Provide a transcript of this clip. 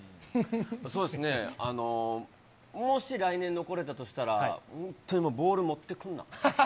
そうですね、もし来年残れたとしたら、本当にボール持ってくんな。